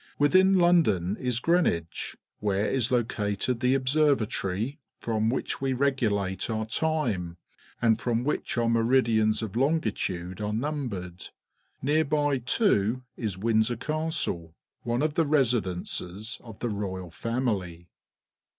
Within London is Greenwich, where is located the Observatory from wliich we regulate our time, and from wliich our meridians of longitude are numbered. Near by, too, is Windsor Castle, one of the residences of the royal family.